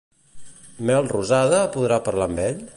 Melrosada podrà parlar amb ell?